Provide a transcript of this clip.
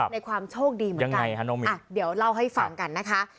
ในความโชคดีเหมือนกันเดี๋ยวเล่าให้ฟังกันนะคะ